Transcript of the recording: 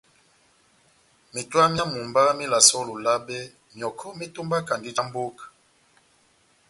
Metowa myá mumba melasɛ ó Lolabe, myɔkɔ metombaki já mbóka.